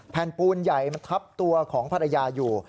แผ่นปูนใหญ่ทับตัวของภรรยาอยู่